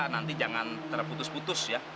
nanti jangan terputus putus ya